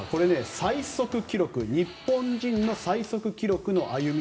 最速記録日本人の最速記録の歩み